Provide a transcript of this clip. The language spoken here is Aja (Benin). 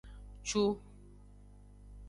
Cu.